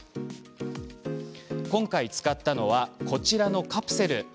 今回使ったのはこちらのカプセル。